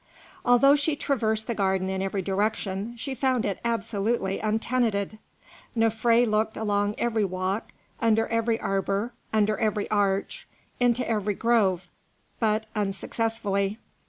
Although she traversed the garden in every direction, she found it absolutely untenanted. Nofré looked along every walk, under every arbour, under every arch, into every grove, but unsuccessfully.